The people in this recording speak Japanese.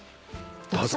どうぞ。